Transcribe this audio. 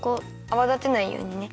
あわだてないようにね。